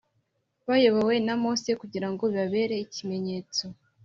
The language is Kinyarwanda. bayobowe na mose kugira ngo bibabere ikimenyetso